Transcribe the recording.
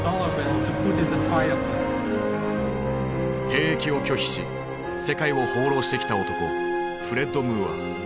兵役を拒否し世界を放浪してきた男フレッド・ムーア。